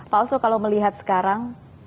pak oso kalau melihat sekarang